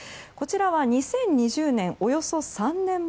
こちらは、２０２０年およそ３年前。